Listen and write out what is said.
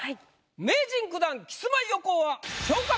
名人９段キスマイ横尾は。